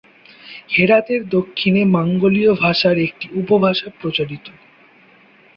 হেরাতের দক্ষিণে মঙ্গোলীয় ভাষার একটি উপভাষা প্রচলিত।